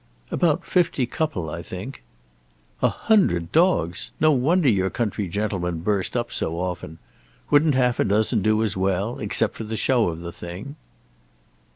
"About fifty couple, I think." "A hundred dogs! No wonder your country gentlemen burst up so often. Wouldn't half a dozen do as well, except for the show of the thing?"